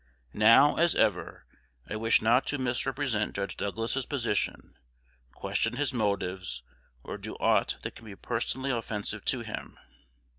Now, as ever, I wish not to misrepresent Judge Douglas's position, question his motives, or do aught that can be personally offensive to him.